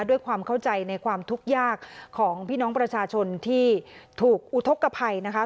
ด้วยความเข้าใจในความทุกข์ยากของพี่น้องประชาชนที่ถูกอุทธกภัยนะคะ